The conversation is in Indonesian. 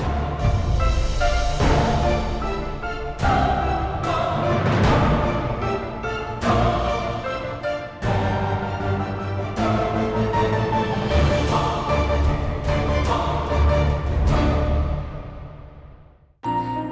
dan pak nino juga terbukti sebagai anak perempuan